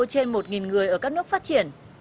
trên một người ở các nước phát triển